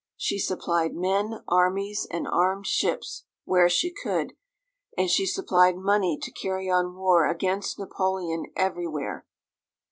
She supplied men, armies, and armed ships, where she could, and she supplied money to carry on war against Napoleon everywhere.